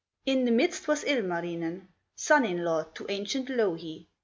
In the midst was Ilmarinen, Son in law to ancient Louhi.